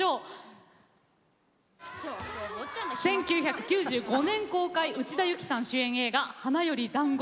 １９９５年内田有紀さん主演映画「花より男子」。